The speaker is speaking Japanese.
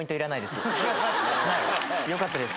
よかったです。